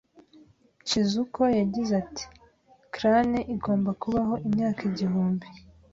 Chizuko yagize ati: "Crane igomba kubaho imyaka igihumbi."